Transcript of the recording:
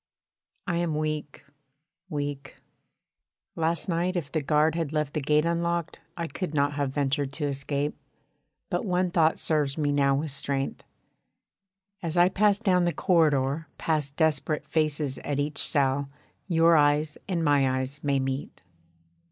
I am weak weak last night if the guard had left the gate unlocked I could not have ventured to escape, but one thought serves me now with strength. As I pass down the corridor past desperate faces at each cell, your eyes and my eyes may meet.